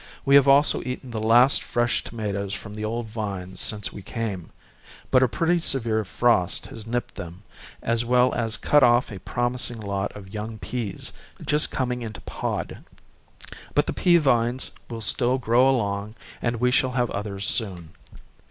We have als5 eaten the last fresh tomatoes from the old vines since we came ; but a pretty severe frost .has nipped them, as well as cut off a promising lot of young peas just coming into pod. But the pea vines will still grow along, and we shall have others soon.